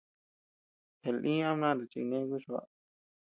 Yaa lï ama nanta chi kane kuchba.